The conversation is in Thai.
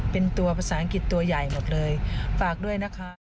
เป็นตัวภาษาอังกฤษตัวใหญ่หมดเลยฝากด้วยนะคะ